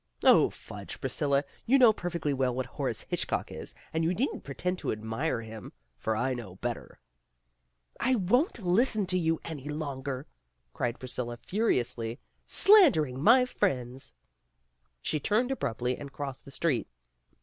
"Oh, fudge, Priscilla, you know perfectly well what Horace Hitchcock is, and you needn't pretend to admire him, for I know better." "I won't listen to you any longer," cried Priscilla furiously, "slandering my friends." She turned abruptly and crossed the street.